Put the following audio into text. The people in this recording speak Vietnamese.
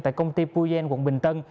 tại công ty puyen quận bình tân